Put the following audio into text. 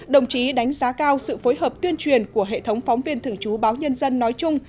đồng chí đánh giá cao sự phối hợp tuyên truyền của hệ thống phóng viên thường trú báo nhân dân nói chung